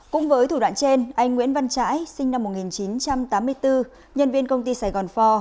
cũng với thủ đoạn trên anh nguyễn văn trãi sinh năm một nghìn chín trăm tám mươi bốn nhân viên công ty sài gòn pho